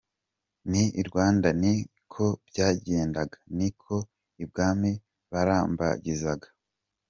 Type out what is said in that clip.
N’i Rwanda ni ko byagendaga, ni ko ibwami barambagizaga.